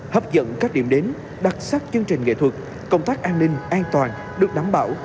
hấp dẫn các điểm đến đặc sắc chương trình nghệ thuật công tác an ninh an toàn được đảm bảo